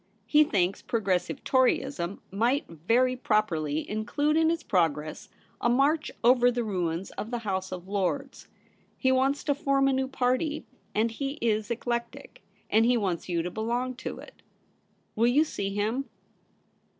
He thinks Progressive Toryism might very pro perly include in its progress a march over the ruins of the House of Lords. He wants to form a new party ; and he is eclectic ; and he wants you to belong to it. Will you see him